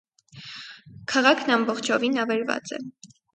Քաղաքն ամբողջովին ավերված է։